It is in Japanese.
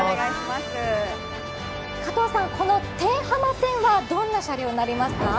加藤さん、この天浜線はどんな車両になりますか？